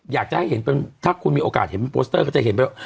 อยากจะให้เห็นเป็นถ้าคุณมีโอกาสเห็นโปสเตอร์ก็จะเห็นไปว่า